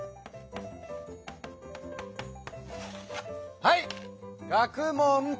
はい学問と。